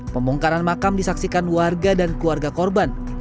pembongkaran makam disaksikan warga dan keluarga korban